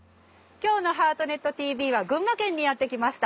今日の「ハートネットＴＶ」は群馬県にやって来ました。